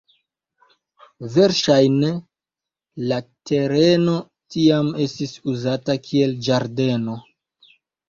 Verŝajne la tereno tiam estis uzata kiel ĝardeno.